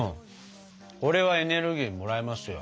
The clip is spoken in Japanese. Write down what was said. これはエネルギーもらえますよ。